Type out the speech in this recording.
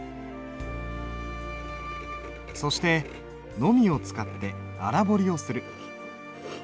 そしてのみを使って荒彫りをする。